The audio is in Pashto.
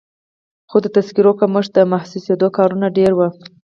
خو د تذکیرو کمښت محسوسېده، کارونه ډېر وو.